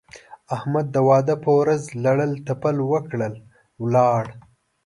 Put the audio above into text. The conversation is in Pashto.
احمد د واده په ورځ لړل تپل وکړل؛ ولاړ.